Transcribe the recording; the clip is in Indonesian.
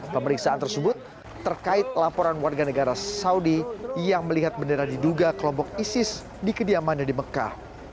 pemeriksaan tersebut terkait laporan warga negara saudi yang melihat bendera diduga kelompok isis di kediamannya di mekah